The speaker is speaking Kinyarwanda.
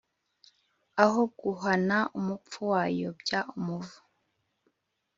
Aho guhana umupfu wayobya umuvu.